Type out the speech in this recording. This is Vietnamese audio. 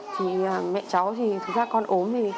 thì mẹ cháu thì thật ra con ốm